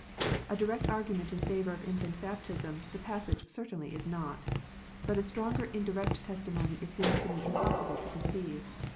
A direct argument in favour of infant baptism the passage certainly is not. But a stronger indirect testimony it seems to me impossible to conceive.